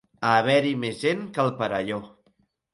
Haver-hi més gent que al Perelló.